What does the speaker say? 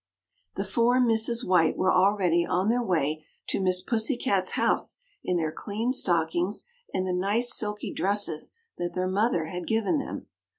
] The four Misses White were already on their way to Miss Pussycat's house in their clean stockings, and the nice silky dresses that their mother had given them.